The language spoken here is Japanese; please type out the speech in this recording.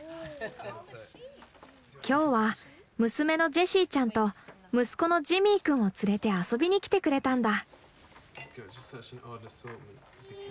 今日は娘のジェシーちゃんと息子のジミー君を連れて遊びにきてくれたんだ。